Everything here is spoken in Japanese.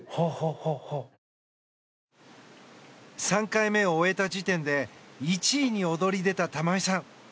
３回目を終えた時点で１位に躍り出た玉井さん。